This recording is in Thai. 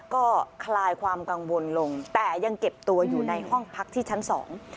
ก็คลายความกังวลลงแต่ยังเก็บตัวอยู่ในห้องพักที่ชั้นสอง